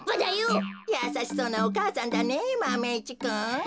やさしそうなお母さんだねマメ１くん。